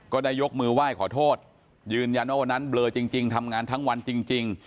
ได้ยกมือไหว้ขอโทษยืนยันว่าวันนั้นเบลอจริงทำงานทั้งวันจริง